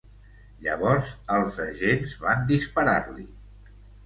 Llavors els agents van disparar-li.